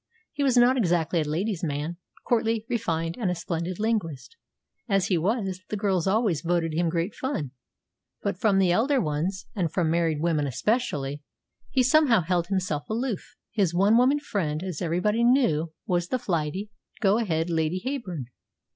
He was not exactly a ladies' man. Courtly, refined, and a splendid linguist, as he was, the girls always voted him great fun; but from the elder ones, and from married women especially, he somehow held himself aloof. His one woman friend, as everybody knew, was the flighty, go ahead Lady Heyburn.